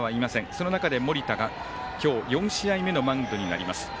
その中で盛田が今日４試合目のマウンドになります。